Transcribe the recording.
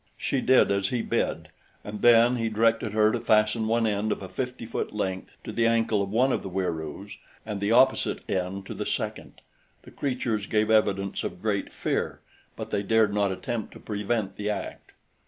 She did as he bid, and then he directed her to fasten one end of a fifty foot length to the ankle of one of the Wieroos and the opposite end to the second. The creatures gave evidence of great fear, but they dared not attempt to prevent the act.